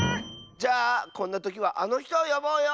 じゃあこんなときはあのひとをよぼうよ！